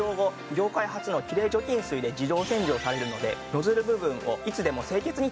業界初の「きれい除菌水」で自動洗浄されるのでノズル部分をいつでも清潔に保ちます。